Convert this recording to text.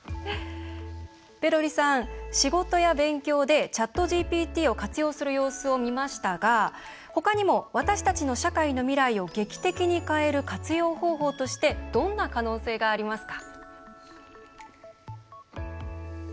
ペロリさん、仕事や勉強でＣｈａｔＧＰＴを活用する様子を見ましたが他にも、私たちの社会の未来を劇的に変える活用方法としてどんな可能性がありますか？